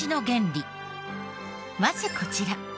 まずこちら。